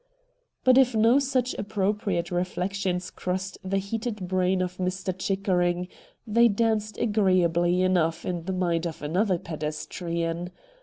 But if no such appropriate reflections crossed the heated brain of Mr. Chickering, they danced agreeably enough in the mind of another pedestrian.